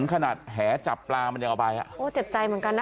ขนาดแหจับปลามันยังเอาไปอ่ะโอ้เจ็บใจเหมือนกันนะ